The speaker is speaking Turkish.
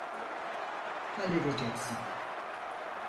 Halledeceksin.